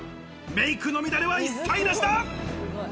メイクの乱れは一切なしだ！